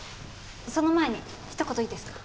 その前にひと言いいですか？